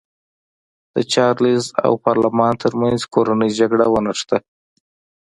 د چارلېز او پارلمان ترمنځ کورنۍ جګړه ونښته.